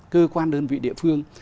cơ quan đơn vị địa phương